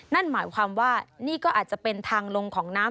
นั่นหมายความว่านี่ก็อาจจะเป็นทางลงของน้ำ